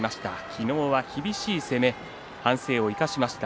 昨日は厳しい攻め反省を生かしました。